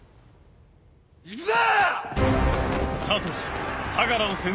行くぞ！